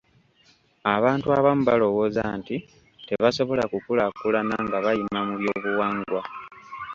Abantu abamu balowooza nti tebasobola kukulaakulana nga bayima mu by'obuwangwa.